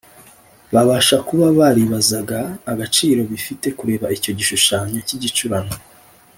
Babasha kuba baribazaga agaciro bifite kureba icyo gishushanyo cy’igicurano